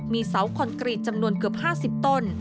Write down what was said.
มีเสาคอนกรีตจำนวนเกือบ๕๐ต้น